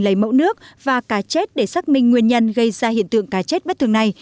lấy mẫu nước và cá chết để xác minh nguyên nhân gây ra hiện tượng cá chết bất thường này